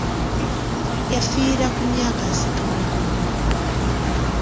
Yafiira ku myaka asatu mu gumu.